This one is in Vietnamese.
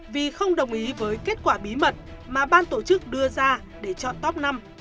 vì không đồng ý với kết quả bí mật mà ban tổ chức đưa ra để chọn top năm